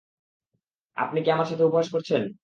আপনি কি আমার সাথে উপহাস করছেন?